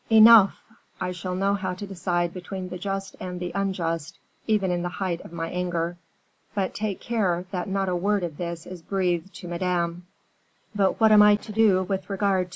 "Enough! I shall know how to decide between the just and the unjust, even in the height of my anger. But take care that not a word of this is breathed to Madame." "But what am I to do with regard to M.